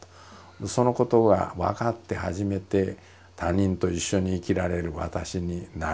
そのことが分かって初めて他人と一緒に生きられる私になれるんだと。